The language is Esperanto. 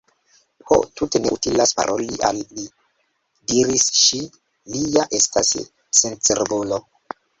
"Ho, tute ne utilas paroli al li," diris ŝi, "li ja estas sencerbulo."